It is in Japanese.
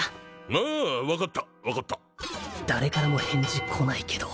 ああ分かった分かった誰からも返事来ないけど・